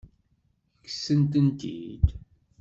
Kksent-ten-id?